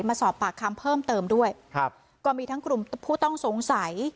มาสอบปากคำเพิ่มเติมด้วยครับก็มีทั้งกลุ่มผู้ต้องสงสัย